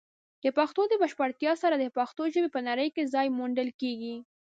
د پښتو د بشپړتیا سره، د پښتو ژبې په نړۍ کې ځای موندل کیږي.